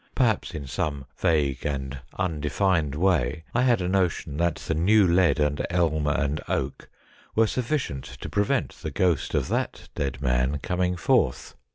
Perhaps in some vague and undefined way I had a notion that the new lead and elm and oak were sufficient to prevent the ghost of that dead man coming forth.